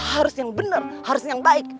harus yang benar harus yang baik